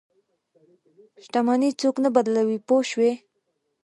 شتمني څوک نه بدلوي پوه شوې!.